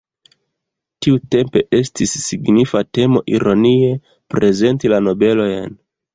Tiutempe estis signifa temo ironie prezenti la nobelojn.